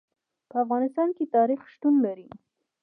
په افغانستان کې تاریخ شتون لري.